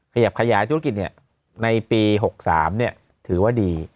ขยับขยายธุรกิจในปี๖๓ถือว่าดี